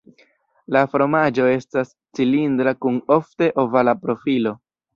La fromaĝo estas cilindra kun ofte ovala profilo.